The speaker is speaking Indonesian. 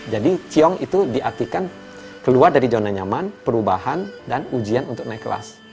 jadi ciong itu diartikan keluar dari zona nyaman perubahan dan ujian untuk naik kelas